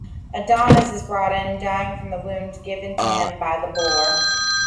Adonis is brought in, dying from the wound given to him by the boar.